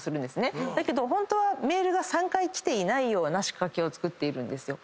だけどホントはメールが３回来ていないような仕掛けをつくってるんです。